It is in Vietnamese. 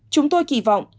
chúng tôi kỳ vọng